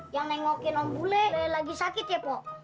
yang nengokin om bule lagi sakit ya pak